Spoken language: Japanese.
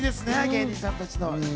芸人さんたちの。